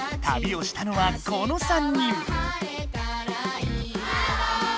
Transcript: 旅をしたのはこの３人。